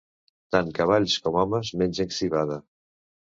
Tan cavalls com homes mengen civada.